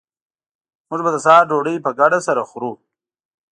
موږ به د سهار ډوډۍ په ګډه سره خورو